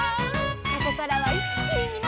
「ここからはいっきにみなさまを」